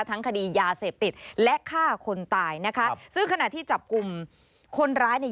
คดียาเสพติดและฆ่าคนตายนะคะซึ่งขณะที่จับกลุ่มคนร้ายเนี่ย